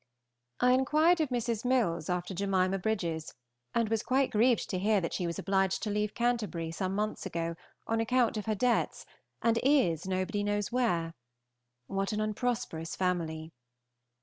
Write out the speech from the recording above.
I inquired of Mrs. Milles after Jemima Brydges, and was quite grieved to hear that she was obliged to leave Canterbury some months ago on account of her debts, and is nobody knows where. What an unprosperous family!